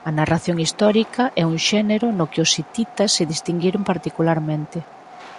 A narración histórica é un xénero no que os hititas se distinguiron particularmente.